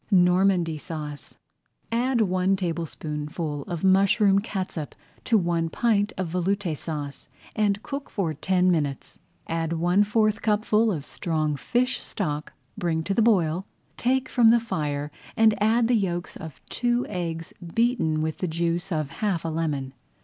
NORMANDY SAUCE Add one tablespoonful of mushroom catsup to one pint of Veloute Sauce and cook for ten minutes. Add one fourth cupful of strong fish stock, bring to the boil, take from the fire and add the yolks of two eggs beaten with the juice of half a lemon.